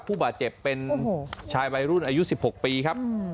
ผู้บาดเจ็บเป็นโอ้โหชายบายรุ่นอายุสิบหกปีครับ